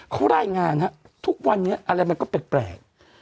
เขารายงานทุกวันนี้อะไรมันก็แปลก